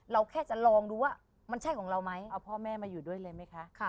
แค่จะลองดูว่ามันใช่ของเราไหมเอาพ่อแม่มาอยู่ด้วยเลยไหมคะ